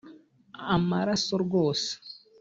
Amaraso rwose